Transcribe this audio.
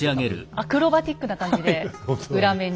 アクロバチックな感じで裏面に。